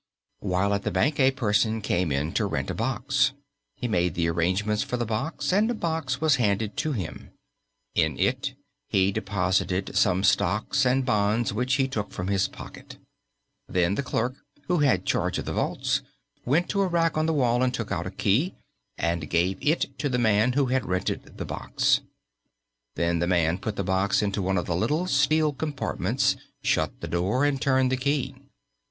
While at the bank a person came in to rent a box. He made the arrangements for the box, and a box was handed to him. In it he deposited some stocks and bonds which he took from his pocket. Then the clerk who had charge of the vaults went to a rack on the wall and took out a key and gave it to the man who had rented the box. The man then put the box into one of the little steel compartments, shut the door and turned the key.